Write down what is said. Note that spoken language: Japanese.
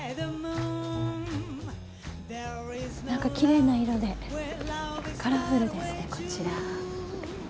何かきれいな色でカラフルですねこちら。